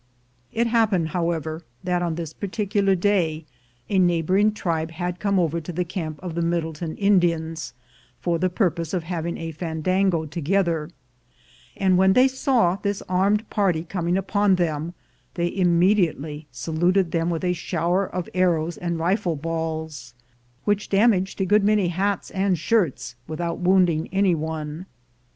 It happened, however, that on this particular day a neighboring tribe had come over to the camp of the Middletown Indians for the purpose of having a fandango together; and when they saw this armed party coming upon them, they immediately saluted them with a shower of arrows and rifle balls, which damaged a good many hats and shirts, without wounding any one.